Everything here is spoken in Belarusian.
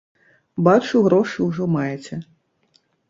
Бачу, грошы ўжо маеце.